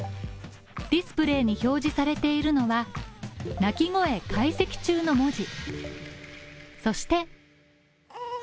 ディスプレーに表示されているのは泣き声解析中の文字。